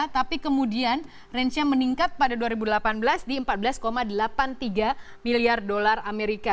tapi kemudian range nya meningkat pada dua ribu delapan belas di empat belas delapan puluh tiga miliar dolar amerika